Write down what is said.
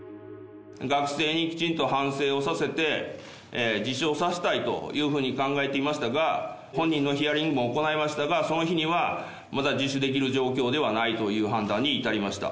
学生にきちんと反省をさせて、自首をさせたいというふうに考えていましたが、本人へのヒアリングも行いましたが、その日には、まだ自首できる状況ではないという判断に至りました。